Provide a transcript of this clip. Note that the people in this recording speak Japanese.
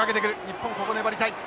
日本ここ粘りたい。